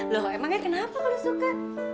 lho emangnya kenapa kalau suka